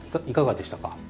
いかがでしたか？